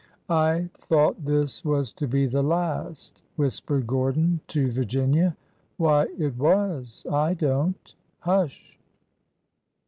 I thought this was to be the last,'' whispered Gordon to Virginia. '' Why, it was ! I don't— Hush